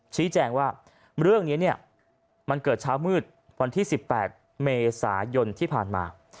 ชี้แจงว่าเรื่องนี้เนี่ยมันเกิดเช้ามืดวันที่๑๘เมษายนที่ผ่านมา